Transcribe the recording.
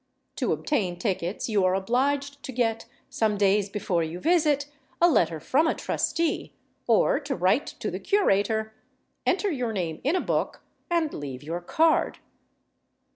To obtain tickets, you are obliged to get, some days before you visit, a letter from a trustee, or to write to the curator, enter your name in a book, and leave your card.